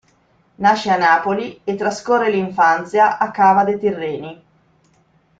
Nasce a Napoli e trascorre l'infanzia a Cava de' Tirreni.